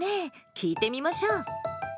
聞いてみましょう。